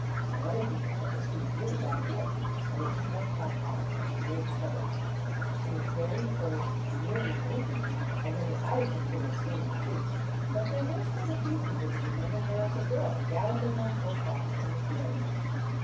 But other people said that she was really rather rich, and that she must have had some great trouble. She was very old nearly eighty although her eyes were clear and so were her cheeks; but there were still a few people who remembered her as a girl galloping on horseback over the fields.